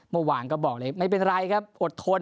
เมื่อวานก็บอกเลยไม่เป็นไรครับอดทน